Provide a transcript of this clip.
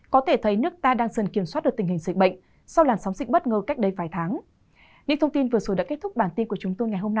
có thể thấy nước ta đang dần kiểm soát được tình hình dịch bệnh sau làn sóng dịch bất ngờ cách đây vài tháng